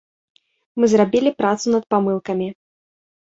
Мы зрабілі працу над памылкамі.